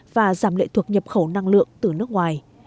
và giảm lệ thuộc nhập khẩu năng lượng từ nước ngoài